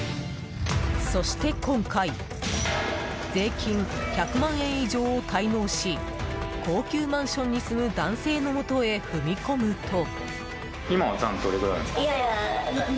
そして今回税金１００万円以上を滞納し高級マンションに住む男性のもとへ踏み込むと。